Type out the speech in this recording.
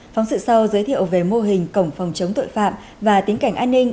phóng sự sau giới thiệu về mô hình cổng phòng chống tội phạm và tính cảnh an ninh